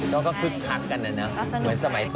แล้วก็คึกพักกันอะนะ